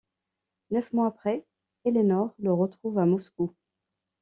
Neuf mois après, Eleanor le retrouve à Moscou.